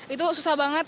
itu susah banget